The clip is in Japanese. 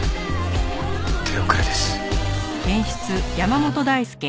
手遅れです。